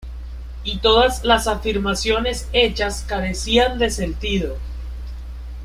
Y todas las afirmaciones hechas carecían de sentido.